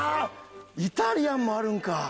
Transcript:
イタリアンもあるんか。